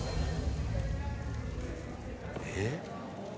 えっ？